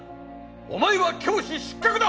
お前は教師失格だ！